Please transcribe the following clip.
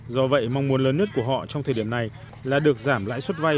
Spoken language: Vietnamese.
do vậy mong muốn lớn nhất của họ trong thời điểm này là được giảm lãi suất vay